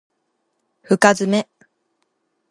深爪